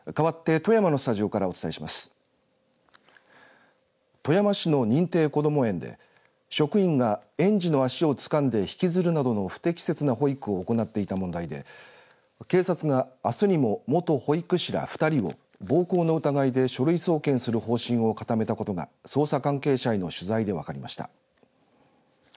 富山市の認定こども園で職員が園児の足をつかんで引きずるなどの不適切な保育を行っていた問題で警察があすにも元保育士ら２人を暴行の疑いで書類送検する方針を固めたことが捜査関係者への取材で分かりました。